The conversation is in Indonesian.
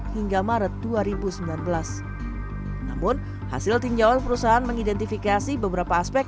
dua ribu delapan belas hingga maret dua ribu sembilan belas namun hasil tinjauan perusahaan mengidentifikasi beberapa aspek